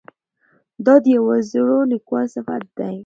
دا د یوه زړور لیکوال صفت دی.